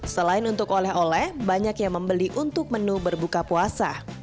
selain untuk oleh oleh banyak yang membeli untuk menu berbuka puasa